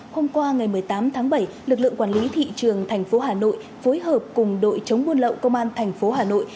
hôm qua ngày một mươi tám tháng bảy lực lượng quản lý thị trường thành phố hà nội phối hợp cùng đội chống buôn lậu công an thành phố hà nội